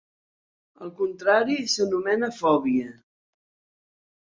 El contrari s'anomena fòbia.